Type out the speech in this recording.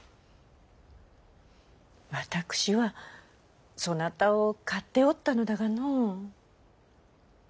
私はそなたを買っておったのだがの。